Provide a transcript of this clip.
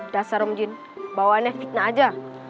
dasar om jin bawaannya fitnah aja